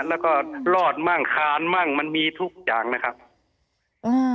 แล้วก็รอดมั่งคานมั่งมันมีทุกอย่างนะครับอืม